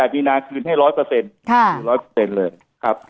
มีนาคืนให้๑๐๐คือ๑๐๐เลยครับ